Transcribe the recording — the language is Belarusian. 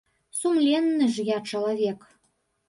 Сумленны ж я чалавек.